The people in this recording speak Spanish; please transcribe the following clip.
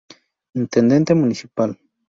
Intendente Municipal.